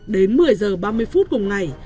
đến một mươi giờ ba mươi phút cùng ngày